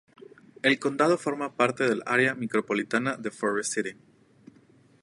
El condado forma parte del área micropolitana de Forrest City.